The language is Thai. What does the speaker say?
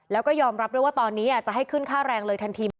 แล้วก็ยอมรับด้วยว่าตอนนี้จะให้ขึ้นค่าแรงเลยทันที